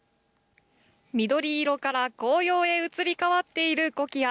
緑色から紅葉へ移り変わっているコキア。